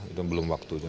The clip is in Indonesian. itu belum waktunya